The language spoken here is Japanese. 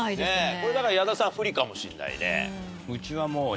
これだから矢田さん不利かもしれないね。